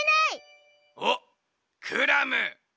おっクラム。